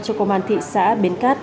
cho công an thị xã bến cát